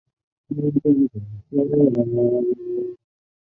县名来自阿波马托克斯河。